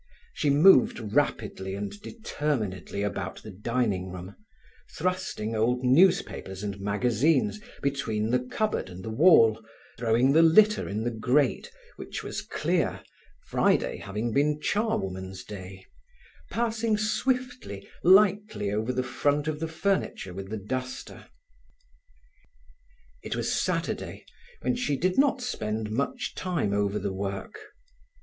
She moved rapidly and determinedly about the dining room, thrusting old newspapers and magazines between the cupboard and the wall, throwing the litter in the grate, which was clear, Friday having been charwoman's day, passing swiftly, lightly over the front of the furniture with the duster. It was Saturday, when she did not spend much time over the work.